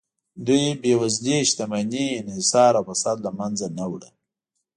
دوی د بېوزلۍ، شتمنۍ انحصار او فساد له منځه نه وړه